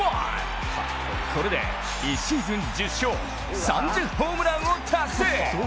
これで１シーズン１０勝、３０ホームランを達成！